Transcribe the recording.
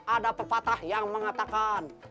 ada pepatah yang mengatakan